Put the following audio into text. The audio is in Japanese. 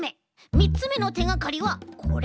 みっつめのてがかりはこれ。